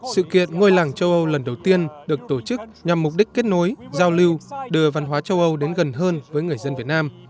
sự kiện ngôi làng châu âu lần đầu tiên được tổ chức nhằm mục đích kết nối giao lưu đưa văn hóa châu âu đến gần hơn với người dân việt nam